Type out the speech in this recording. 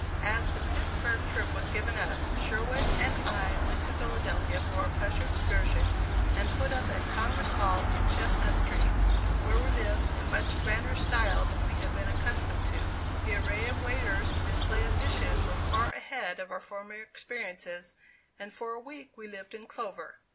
As the Pittsburg trip was given up, Sherwood and I went to Philadelphia for a pleasure excursion and put up at Congress Hall in Chestnut Street where we lived in much grander style than we had been accustomed to. The array of waiters and display of dishes were far ahead of our former experiences and for a week we lived in clover.